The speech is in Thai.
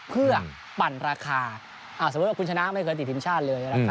เพื่อปั่นราคาสมมุติว่าคุณชนะไม่เคยติดทีมชาติเลย